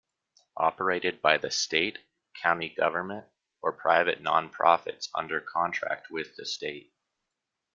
Operated by the state, county government or private nonprofits under contract with the state.